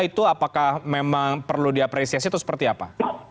itu apakah memang perlu diapresiasi atau seperti apa